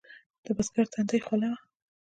د بزګر تندی خوله وي.